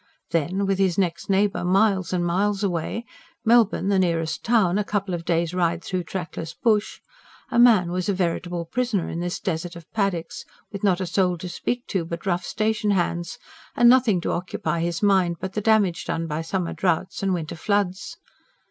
Then, with his next neighbour miles and miles away, Melbourne, the nearest town, a couple of days' ride through trackless bush, a man was a veritable prisoner in this desert of paddocks, with not a soul to speak to but rough station hands, and nothing to occupy his mind but the damage done by summer droughts and winter floods.